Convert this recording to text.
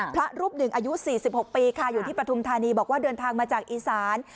พระรูปหนึ่งอายุ๔๖ปีค่ะอยู่ที่ปฐุมธานีบอกว่าเดินทางมาจากอีสาน